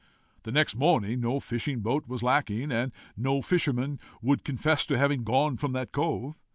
The next morning no fishing boat was lacking, and no fisherman would confess to having gone from that cove.